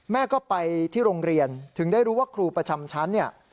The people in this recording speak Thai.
แม่ก็ไปที่โรงเรียนถึงได้รู้ว่าครูประจำชั้นเนี่ย